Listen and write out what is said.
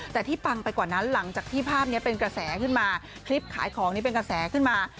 แต่ที่ปังไปกว่านั้นหลังจากที่ภาพนี้เป็นกระแสขึ้นมาคลิปขายของนี่เป็นกระแสขึ้นมา